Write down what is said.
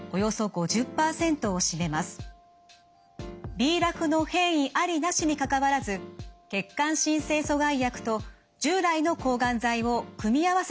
ＢＲＡＦの変異ありなしにかかわらず血管新生阻害薬と従来の抗がん剤を組み合わせて治療します。